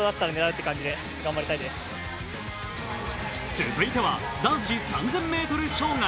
続いては男子３０００ｍ障害。